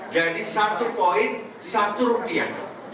jadi satu point satu rupiah